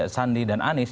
sandi dan anies